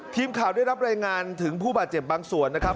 ทีมข่าวได้รับรายงานถึงผู้บาดเจ็บบางส่วนนะครับ